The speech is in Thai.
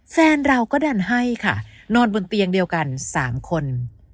แฟนเราก็ดันให้ค่ะนอนบนเตียงเดียวกัน๓คน